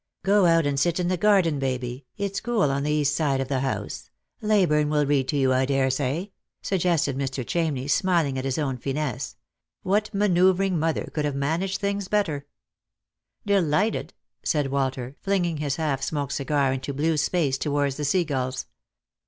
" Go out and sit in the garden, Baby ; it's cool on the east side of the house. Leyburne will read to you, I daresay," suggested Mr. Chamney, smiling at his own finesse. What manoeuvring mother could have managed things better P " Delighted," said Walter, flinging his half smoked cigar into blue space towards the sea gulls.